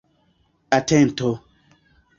atento